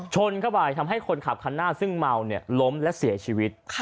ชนเข้าไปทำให้คนขับคันหน้าซึ่งเมาล้มและเสียชีวิต